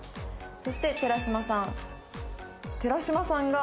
そして寺島さん。